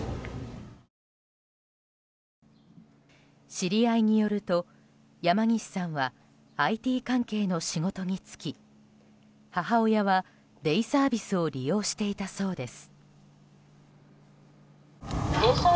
知り合いによると山岸さんはＩＴ関係の仕事に就き母親はデイサービスを利用していたそうです。